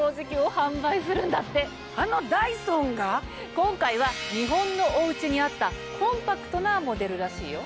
今回は日本のお家に合ったコンパクトなモデルらしいよ。